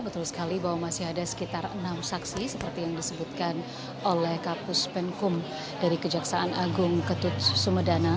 betul sekali bahwa masih ada sekitar enam saksi seperti yang disebutkan oleh kapus penkum dari kejaksaan agung ketut sumedana